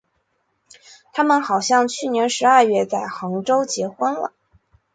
他们好像去年十二月在杭州结婚了。